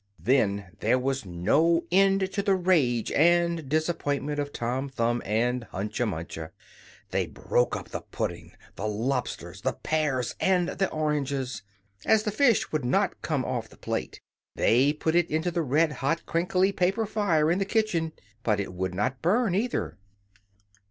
Then there was no end to the rage and disappointment of Tom Thumb and Hunca Munca. They broke up the pudding, the lobsters, the pears and the oranges. As the fish would not come off the plate, they put it into the red hot crinkly paper fire in the kitchen; but it would not burn either.